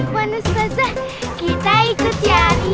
pada ustadzah kita ikut si amalia